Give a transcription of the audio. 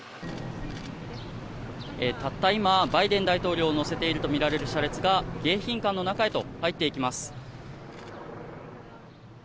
たった今バイデン大統領を乗せているとみられる車列が迎賓館の中へと入っていきます。